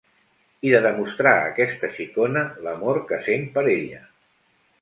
I de demostrar a aquesta xicona l'amor que sent per ella.